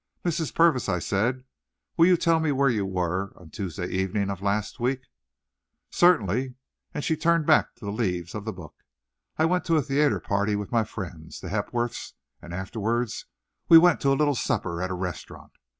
"Mrs. Purvis," I said, "will you tell me where you were on Tuesday evening of last week?" "Certainly;" and she turned back the leaves of the book. "I went to a theatre party with my friends, the Hepworths; and afterward, we went to a little supper at a restaurant.